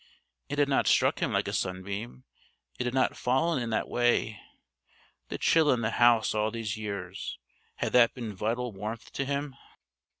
It had not struck him like a sunbeam; it had not fallen in that way! The chill in the house all these years had that been vital warmth to him?"